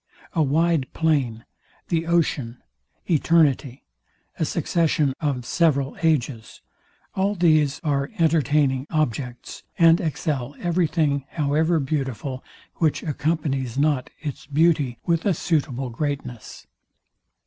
A wide plain, the ocean, eternity, a succession of several ages; all these are entertaining objects, and excel every thing, however beautiful, which accompanies not its beauty with a suitable greatness.